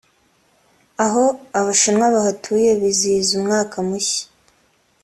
aho abashinwa bahatuye bizihiza umwaka mushya